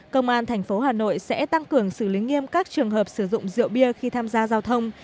công an tp hà nội sẽ tăng cường xử lý nghiêm các trường hợp sử dụng rượu bia khi tham gia giao thông